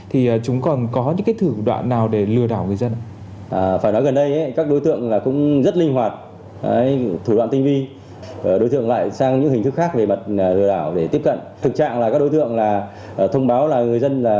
thì chúng còn có những thủ đoạn nào để lừa đảo người dân